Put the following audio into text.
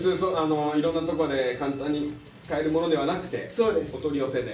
いろんなとこで簡単に買えるものではなくてお取り寄せで。